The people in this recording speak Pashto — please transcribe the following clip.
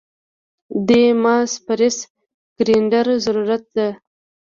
دې ما سرفېس ګرېنډر ضرورت ده